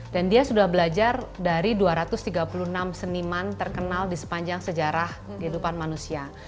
dan dia sudah belajar dari dua ratus tiga puluh enam seniman terkenal di sepanjang sejarah kehidupan manusia